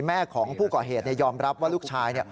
แม่ของผู้ก่อเหตุยอมรับว่าลูกชาย